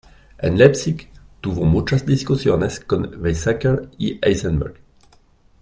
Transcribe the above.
En Leipzig tuvo muchas discusiones con Weizsäcker y Heisenberg.